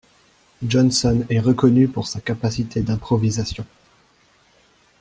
Johnson est reconnu pour sa capacité d'improvisation.